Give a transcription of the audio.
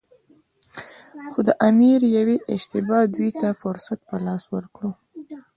خو د امیر یوې اشتباه دوی ته فرصت په لاس ورکړ.